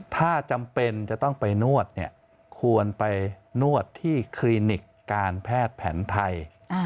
ถ้าจำเป็นจะต้องไปนวดเนี่ยควรไปนวดที่คลินิกการแพทย์แผนไทย